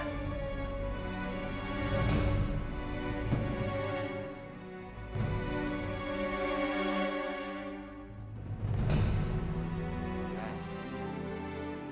ya ampun ya ampun